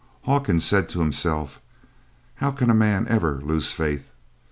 Hawkins said to himself, "How can a man ever lose faith?